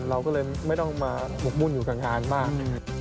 เราก็เลยไม่ต้องมาหกมุ่นอยู่กับงานมาก